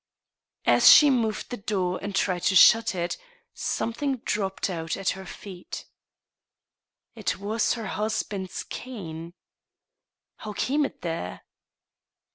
As she moved the door and tried to shut it, something dropped out at her feet. It was her husband's cane. How came it there